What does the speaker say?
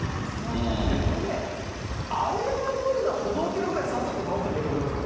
これね、青山通りの歩道橋ぐらいさっさと直せばいいと思いますよ。